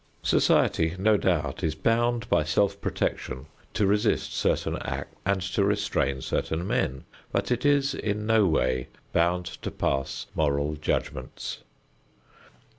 Society no doubt is bound by self protection to resist certain acts and to restrain certain men, but it is in no way bound to pass moral judgments.